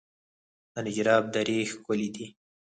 د نجراب درې ښکلې دي